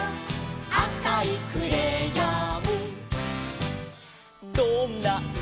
「あおいクレヨン」